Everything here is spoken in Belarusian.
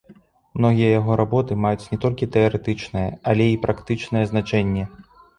Многія яго работы маюць не толькі тэарэтычнае, а і практычнае значэнне.